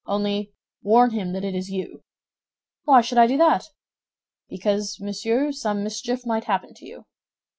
Only warn him that it is you." "Why should I do that?" "Because, monsieur, some mischief might happen to you."